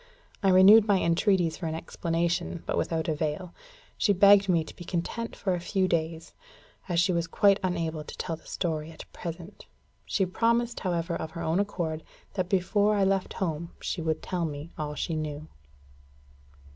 I renewed my entreaties for an explanation, but without avail. She begged me to be content for a few days, as she was quite unable to tell the story at present. She promised, however, of her own accord, that before I left home she would tell me all she knew.